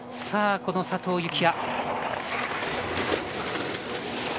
さあ、この佐藤幸椰。